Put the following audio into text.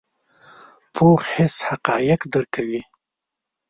پوخ حس حقایق درک کوي